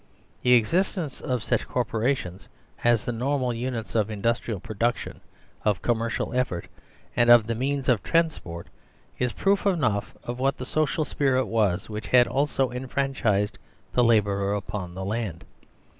The existence of such corporations as the normal units of industrial production, of commercial effort, and of the means of transport, is proof enough of what the social spirit was which had also enfranchised the labourer upon the land.